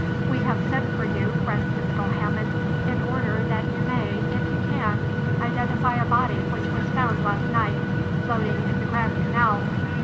"We have sent for you, Francisco Hammond, in order that you may, if you can, identify a body which was found last night, floating in the Grand Canal."